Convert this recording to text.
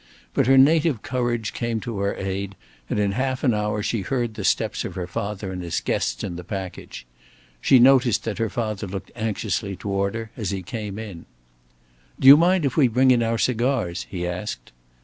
But her native courage came to her aid, and in half an hour she heard the steps of her father and his guests in the passage. She noticed that her father looked anxiously toward her as he came in. "Do you mind if we bring in our cigars?" he asked.